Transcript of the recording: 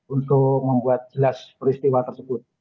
untuk membuat jelas peristiwa tersebut